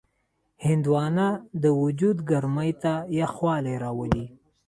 هندوانه د وجود ګرمۍ ته یخوالی راولي.